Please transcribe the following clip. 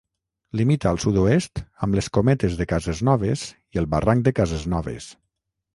Limita al sud-oest amb les Cometes de Casesnoves i el Barranc de Casesnoves.